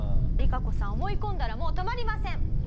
リカコさん思い込んだらもう止まりません。